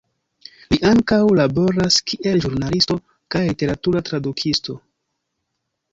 Li ankaŭ laboras kiel ĵurnalisto kaj literatura tradukisto.